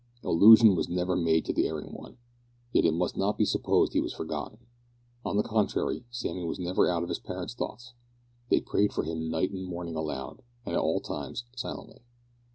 Allusion was never made to the erring one; yet it must not be supposed he was forgotten. On the contrary, Sammy was never out of his parents' thoughts. They prayed for him night and morning aloud, and at all times silently.